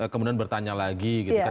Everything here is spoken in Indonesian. kemudian bertanya lagi gitu kan